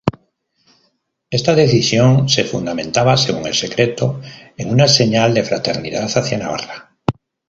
Esta decisión se fundamentaba según el decreto "en una señal de fraternidad hacia Navarra".